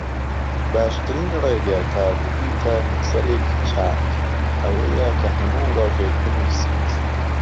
باشترین ڕێگە تا ببیتە نووسەرێکی چاک ئەوەیە کە هەموو ڕۆژێک بنووسیت